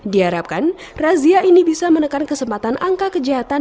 diharapkan razia ini bisa menekan kesempatan angka kejahatan